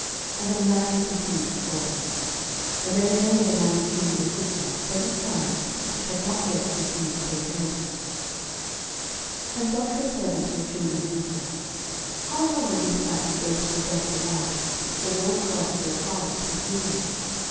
And the land was subdued before them. 06:018:002 And there remained among the children of Israel seven tribes, which had not yet received their inheritance. 06:018:003 And Joshua said unto the children of Israel, How long are ye slack to go to possess the land, which the LORD God of your fathers hath given you?